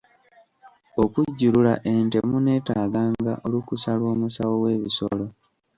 Okujjulula ente muneetaaganga olukusa lw'omusawo w'ebisolo.